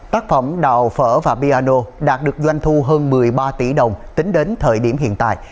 tác phẩm đào phở và piano đạt được doanh thu hơn một mươi ba tỷ đồng tính đến thời điểm hiện tại